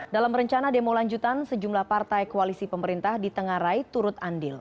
dalam rencana demo lanjutan sejumlah partai koalisi pemerintah di tengah rai turut andil